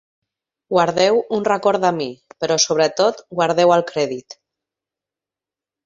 Guardeu un record de mi, però sobre tot guardeu el crèdit.